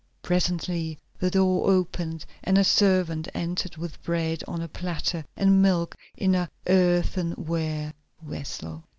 Presently the door opened and a servant entered with bread on a platter and milk in an earthenware vessel.